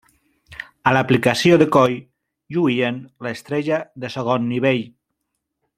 A l'aplicació de coll, lluïen l'estrella de segon nivell.